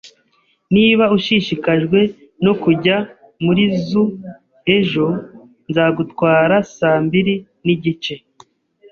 Niba ushishikajwe no kujya muri zoo ejo, nzagutwara saa mbiri nigice